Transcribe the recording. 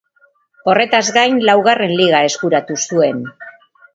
Horretaz gain laugarren Liga eskuratu zuen.